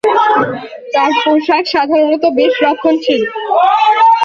তার পোশাক সাধারণত বেশ রক্ষণশীল।